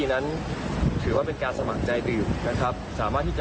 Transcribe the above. นั้นถือว่าเป็นการสมัครใจดื่มนะครับสามารถที่จะ